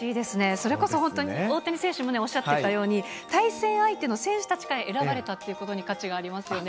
それこそ本当に大谷選手もおっしゃってたように、対戦相手の選手たちから選ばれたってことに価値がありますよね。